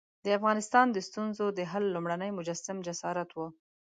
د افغانستان د ستونزو د حل لومړنی مجسم جسارت وو.